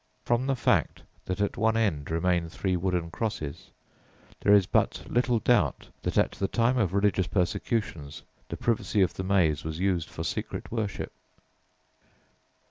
From the fact that at one end remain three wooden crosses, there is but little doubt that at the time of religious persecution the privacy of the maze was used for secret worship.